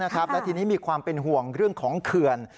และทีนี้มีความเป็นห่วงเรื่องของเขื่อน